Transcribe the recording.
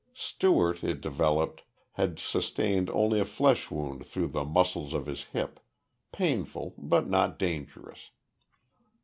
Stewart, it developed, had sustained only a flesh wound through the muscles of his hip painful, but not dangerous.